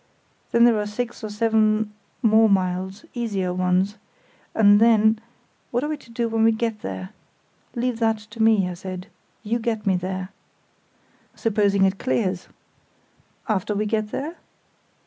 Then there are six or seven more miles—easier ones. And then—What are we to do when we get there?" "Leave that to me," I said. "You get me there." "Supposing it clears?" "After we get there?